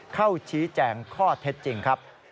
เข้าชี้แจงข้อเท็จจริงครับ